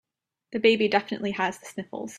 The baby definitely has the sniffles.